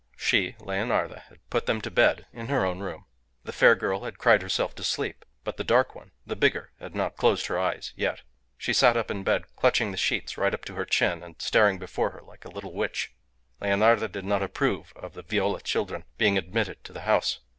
She, Leonarda, had put them to bed in her own room. The fair girl had cried herself to sleep, but the dark one the bigger had not closed her eyes yet. She sat up in bed clutching the sheets right up under her chin and staring before her like a little witch. Leonarda did not approve of the Viola children being admitted to the house.